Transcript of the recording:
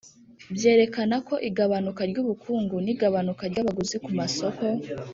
byerekana ko igabanuka ry'ubukungu n'igabanuka ry'abaguzi ku masoko